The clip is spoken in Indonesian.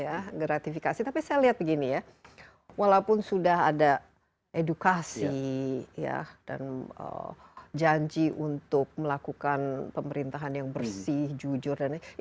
ya gratifikasi tapi saya lihat begini ya walaupun sudah ada edukasi dan janji untuk melakukan pemerintahan yang bersih jujur dan lain sebagainya